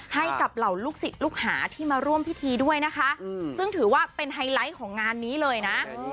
ให้กับเหล่าลูกศิษย์ลูกหาที่มาร่วมพิธีด้วยนะคะซึ่งถือว่าเป็นไฮไลท์ของงานนี้เลยนะ